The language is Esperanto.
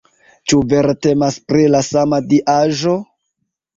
Ĉu vere temas pri la sama diaĵo?